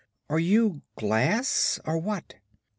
Are you glass, or what?"